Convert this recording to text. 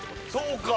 そうか！